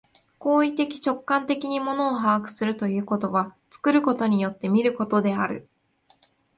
行為的直観的に物を把握するということは、作ることによって見ることである。